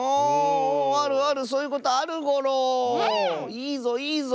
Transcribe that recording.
いいぞいいぞ！